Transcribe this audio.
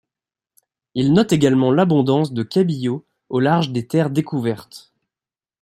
Il note également l'abondance de cabillauds au large des terres découvertes.